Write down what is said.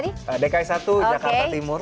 dki satu jakarta timur